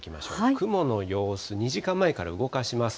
雲の様子、２時間前から動かします。